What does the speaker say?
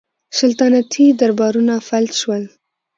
سلطنتي دربارونه فلج شول